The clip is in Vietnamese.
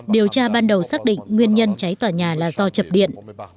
điều tra ban đầu xác định nguyên nhân cháy tòa nhà là do chập điện